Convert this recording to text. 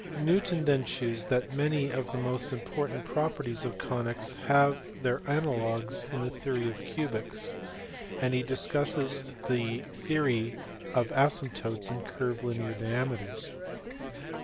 Newton then shews that many of the most important properties of conies have their analogues in the theory of cubics, and he discusses the theory of asymp totes and curvilinear diameters.